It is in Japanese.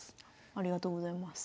ありがとうございます。